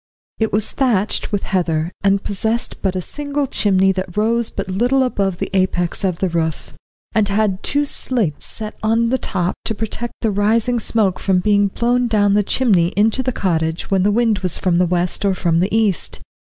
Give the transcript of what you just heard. It was thatched with heather, and possessed but a single chimney that rose but little above the apex of the roof, and had two slates set on the top to protect the rising smoke from being blown down the chimney into the cottage when the wind was from the west or from the east.